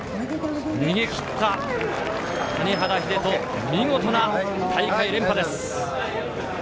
逃げ切った谷原秀人、見事な大会連覇です。